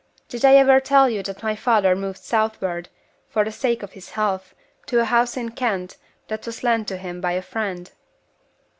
Did I ever tell you that my father moved southward, for the sake of his health, to a house in Kent that was lent to him by a friend?"